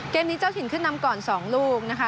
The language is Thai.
นี้เจ้าถิ่นขึ้นนำก่อน๒ลูกนะคะ